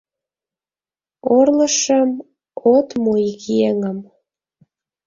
Орлышым от му ик еҥым: